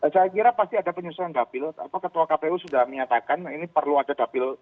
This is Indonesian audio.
saya kira pasti ada penyusunan dapil ketua kpu sudah menyatakan ini perlu ada dapil